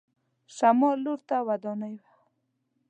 شمال لور ته ودانۍ وه.